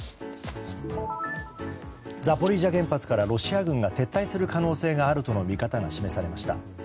ザポリージャ原発からロシア軍が撤退する可能性があるとの見方が示されました。